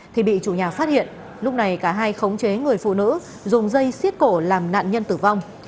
thì bị chủ nhà phát hiện lúc này cả hai khống chế người phụ nữ dùng dây xiết cổ làm nạn nhân tử vong